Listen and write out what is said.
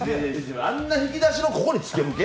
あんな引き出しのここにつけるけ？